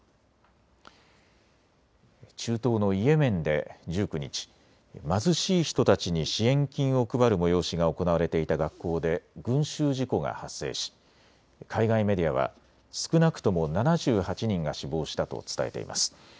中東のイエメンで１９日、貧しい人たちに支援金を配る催しが行われていた学校で群集事故が発生し、海外メディアは少なくとも７８人が死亡したと伝えています。